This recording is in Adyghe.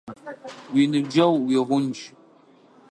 Уиныбджэгъу уигъундж.